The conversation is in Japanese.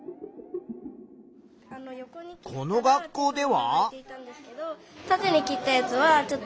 この学校では。